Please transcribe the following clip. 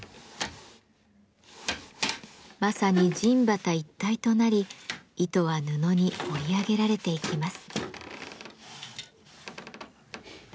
まさに人機一体となり糸は布に織り上げられていきます。